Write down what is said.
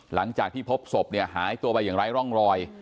หลังจากที่พบศพเนี่ยหายตัวไปอย่างไร้ร่องรอย